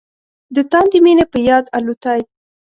د تاندې مينې په یاد الوتای